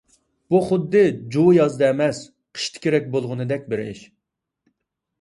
بۇ خۇددى جۇۋا يازدا ئەمەس، قىشتا كېرەك بولغىندەك بىر ئىش.